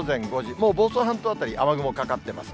もう房総半島辺り、雨雲かかってます。